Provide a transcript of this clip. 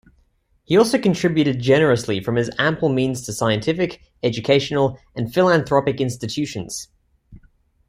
He also contributed generously from his ample means to scientific, educational, and philanthropic institutions.